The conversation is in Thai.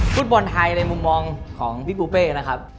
ฟุตบอลไทยในมุมมองของพี่ปูเป้นะครับ